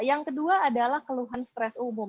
yang kedua adalah keluhan stres umum